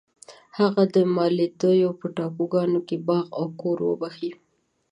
هغه د مالدیو په ټاپوګانو کې باغ او کور وبخښی.